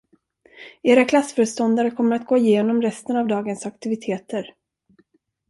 Era klassföreståndare kommer att gå igenom resten av dagens aktiviteter.